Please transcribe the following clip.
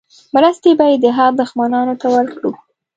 مرستې به یې د هغه دښمنانو ته ورکړو.